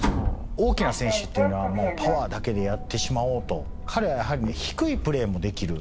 大きな選手っていうのは、パワーだけでやってしまおうと、彼はやはり、低いプレーもできる。